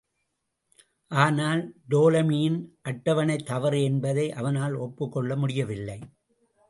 ஆனால் டோலமியின் அட்டவணை தவறு என்பதை அவனால் ஒப்புக் கொள்ள முடியவில்லை.